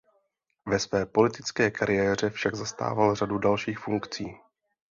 Ve své politické kariéře však zastával řadu dalších funkcí.